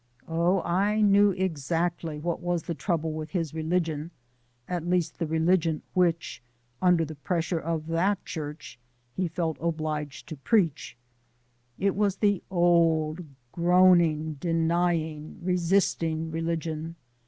Oh, I knew exactly what was the trouble with his religion at least the religion which, under the pressure of that church he felt obliged to preach! It was the old, groaning, denying, resisting religion.